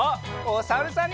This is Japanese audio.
おさるさん。